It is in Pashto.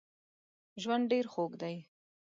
ژوند ډېر خوږ دی